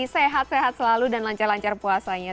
sehat sehat selalu dan lancar lancar puasanya